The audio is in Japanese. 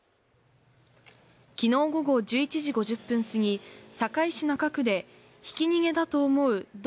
昨日午後１１時５０分過ぎ堺市中区でひき逃げだと思うど